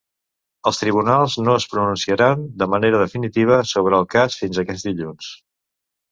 Els tribunals no es pronunciaran de manera definitiva sobre el cas fins aquest dilluns.